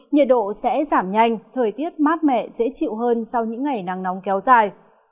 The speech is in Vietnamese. nhiệt độ sẽ giảm nhanh thời tiết mát mẻ dễ chịu hơn sau những ngày nắng nóng kéo dài